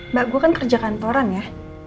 mbak gue kan kerja kantoran ya